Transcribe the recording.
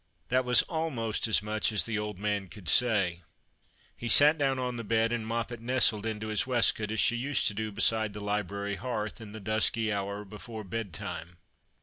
" That was almost as much as the old man could say He sat down on the bed, and jMoppet nestled into his waistcoat, as she used to do beside the library hearth, in the dusky hour before bedtime.